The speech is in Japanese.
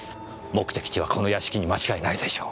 目的地はこの屋敷に間違いないでしょう。